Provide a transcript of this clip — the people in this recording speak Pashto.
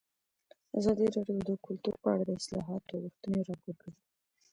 ازادي راډیو د کلتور په اړه د اصلاحاتو غوښتنې راپور کړې.